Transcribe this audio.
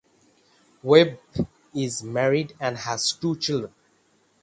Webb is married and has two children.